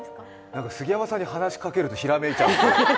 杉山さんに話しかけるとひらめいちゃう。